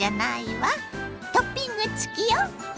トッピング付きよ！